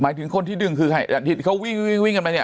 หมายถึงคนที่ดึงคือใครอาทิตย์เขาวิ่งกันไหมเนี้ย